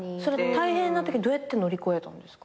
大変なときどうやって乗り越えたんですか？